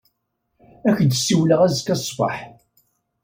Ad k-d-siwleɣ azekka ṣṣbeḥ.